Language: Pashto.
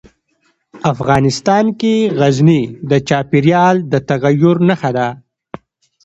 افغانستان کې غزني د چاپېریال د تغیر نښه ده.